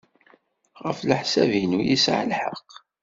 Ɣef leḥsab-inu, yesɛa lḥeqq.